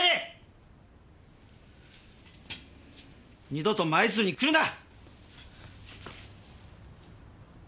二度と舞鶴に来るな！